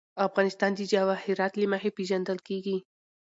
افغانستان د جواهرات له مخې پېژندل کېږي.